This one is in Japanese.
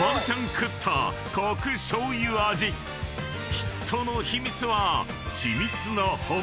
［ヒットの秘密は］